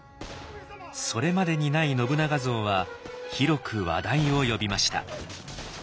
それまでにない信長像は広く話題を呼びました。